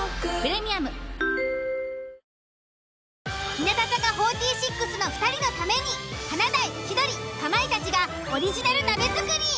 日向坂４６の２人のために華大千鳥かまいたちがオリジナル鍋作り。